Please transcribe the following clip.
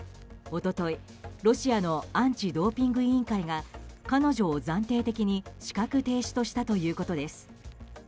一昨日、ロシアのアンチドーピング委員会が彼女を暫定的に資格停止したということです。